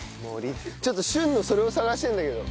ちょっと旬の“それ”を探してるんだけど。